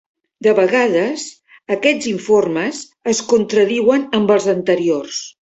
De vegades, aquests informes es contradiuen amb els anteriors.